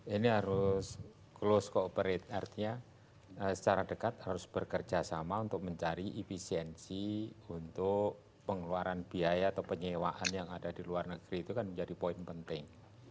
ini harus close cooperate artinya secara dekat harus bekerja sama untuk mencari efisiensi untuk pengeluaran biaya atau penyewaan yang ada di luar negeri itu kan menjadi poin penting